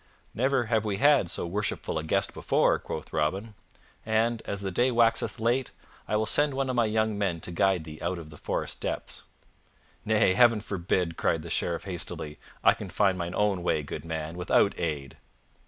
"Never have we had so worshipful a guest before!" quoth Robin, "and, as the day waxeth late, I will send one of my young men to guide thee out of the forest depths." "Nay, Heaven forbid!" cried the Sheriff hastily. "I can find mine own way, good man, without aid."